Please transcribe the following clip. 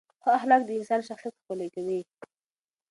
ښه اخلاق د انسان شخصیت ښکلي کوي.